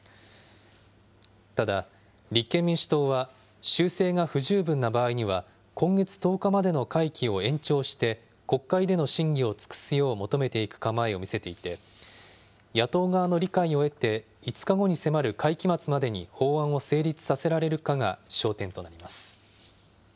ただ、立憲民主党は、修正が不十分な場合には、今月１０日までの会期を延長して、国会での審議を尽くすよう求めていく構えを見せていて、野党側の理解を得て、５日後に迫る会期末までに法案を成立させられるかが焦点となります。